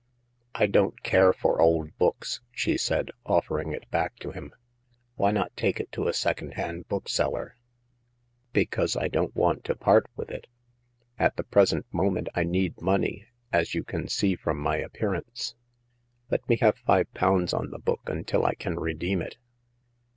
I don't care for old books," she said, offering it back to him. " Why not take it to a second hand bookseller ?"Because I don't want to part with it. At * the present moment I need money, as you can see from my appearance. Let me have five pounds on the book until I can redeem it."